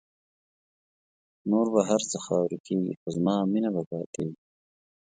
نور به هر څه خاوری کېږی خو زما مینه به پاتېږی